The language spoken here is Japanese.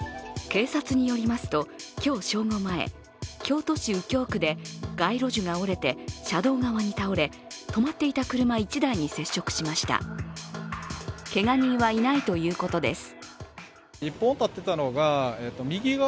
警察によりますと今日正午前京都市右京区で街路樹が折れて車道側に倒れ、止まっていた車１台に接触しましたけが人はいないということです。